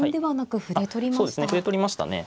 歩で取りましたね。